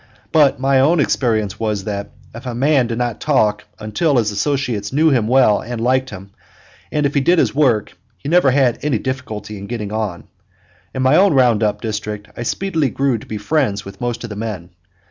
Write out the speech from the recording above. But my own experience was that if a man did not talk until his associates knew him well and liked him, and if he did his work, he never had any difficulty in getting on. In my own round up district I speedily grew to be friends with most of the men.